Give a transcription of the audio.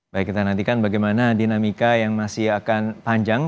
baik kita nantikan bagaimana dinamika yang masih akan panjang